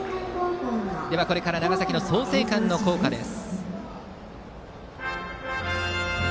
これから長崎・創成館の校歌です。